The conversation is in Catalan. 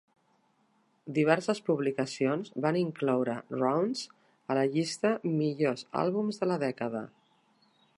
Diverses publicacions van incloure "Rounds" a la llista "millors àlbums de la dècada".